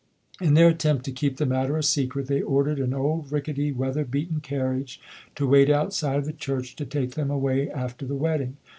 In their attempt to keep the matter a secret, they ordered an old rickety, weather beaten carriage to wait outside of the church to take them away after the wedding.